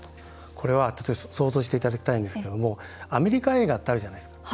想像していただきたいんですけどアメリカ映画ってあるじゃないですか。